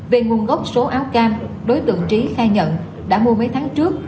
về nguồn gốc số áo cam đối tượng trí khai nhận đã mua mấy tháng trước